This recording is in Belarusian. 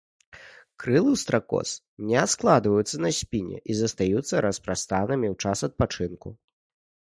Крылы ў стракоз не складваюцца на спіне і застаюцца распрастанымі ў час адпачынку.